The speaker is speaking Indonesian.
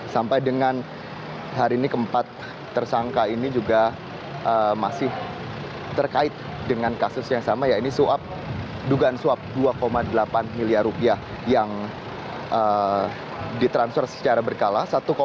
sampai dengan hari ini keempat tersangka ini juga masih terkait dengan kasus yang sama yaitu suap dugaan suap dua delapan miliar rupiah yang ditransfer secara berkala